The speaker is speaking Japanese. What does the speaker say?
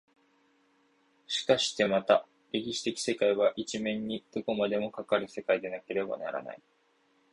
しかしてまた歴史的世界は一面にどこまでもかかる世界でなければならない。